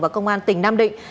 và công an tỉnh nam định